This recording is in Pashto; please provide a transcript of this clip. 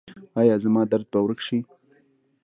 ایا زما درد به ورک شي؟